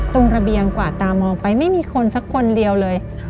ตรงระเบียงกวาดตามองไปไม่มีคนสักคนเดียวเลย